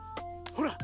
ほら。